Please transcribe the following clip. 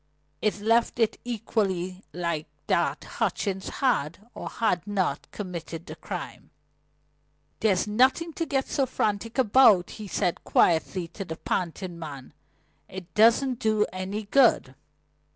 It left it equally likely that Hutchings had, or had not, committed the crime. "There's nothing to get so frantic about," he said quietly to the panting man. "It doesn't do any good."